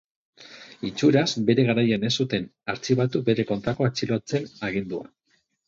Itxuraz, bere garaian ez zuten artxibatu bere kontrako atxilotze agindua.